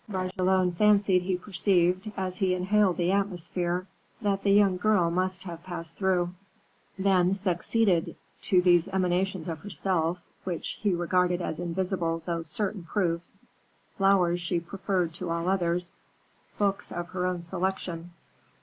Bragelonne fancied he perceived, as he inhaled the atmosphere, that the young girl must have passed through. Then succeeded to these emanations of herself, which he regarded as invisible though certain proofs, flowers she preferred to all others books of her own selection.